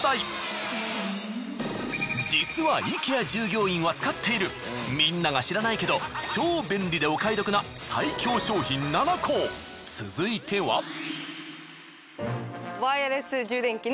実はイケア従業員は使っているみんなが知らないけど超便利でお買い得な最強商品７個続いては。